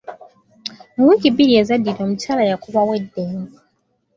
Mu wiiki bbiri ezaddirira, omukyala yakubawo eddenzi.